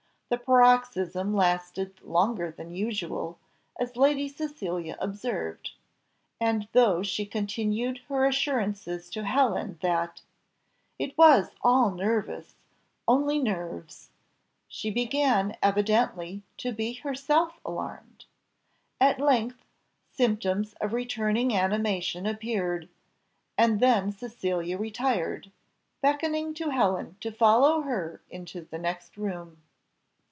The paroxysm lasted longer than usual, as Lady Cecilia observed; and, though she continued her assurances to Helen that "It was all nervous only nerves," she began evidently to be herself alarmed. At length symptoms of returning animation appeared, and then Cecilia retired, beckoning to Helen to follow her into the next room.